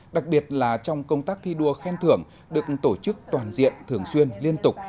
đặc biệt là trong công tác thi đua khen thưởng được tổ chức toàn diện thường xuyên liên tục